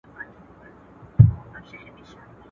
o بې طالع سړى، په يوه ورځ په دوو ميلمستياو کي خبر وي.